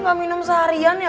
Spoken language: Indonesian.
gak minum seharian ya